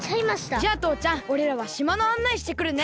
じゃあとうちゃんおれらはしまのあんないしてくるね。